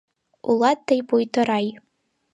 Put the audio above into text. Улат тый пуйто рай.